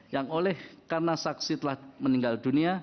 yang oleh karena saksi telah meninggal dunia